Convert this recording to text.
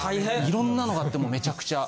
色んなのがあってめちゃくちゃ。